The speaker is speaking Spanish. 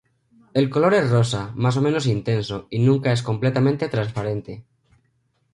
El color es rosa, más o menos intenso, y nunca es completamente transparente.